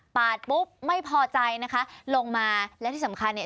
ปุ๊บไม่พอใจนะคะลงมาและที่สำคัญเนี่ย